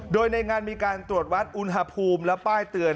โดยในงานมีการตรวจวัดอุณหภูมิและป้ายเตือน